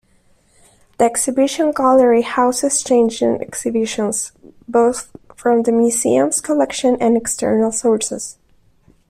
The Exhibition Gallery houses changing exhibitions, both from the museum's collection and external sources.